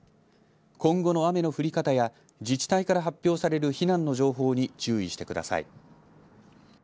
今後の雨の降り方や自治体から発表される避難の情報に注意してください。